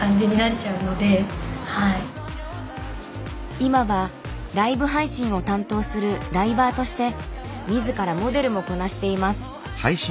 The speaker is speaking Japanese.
今はライブ配信を担当するライバーとして自らモデルもこなしています。